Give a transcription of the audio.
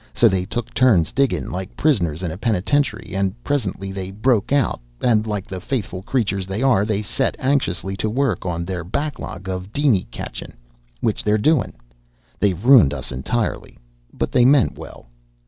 So they took turns diggin', like prisoners in a penitentiary, and presently they broke out and like the faithful creatures they are they set anxious to work on their backlog of diny catchin'. Which they're doin'. They've ruined us entirely, but they meant well."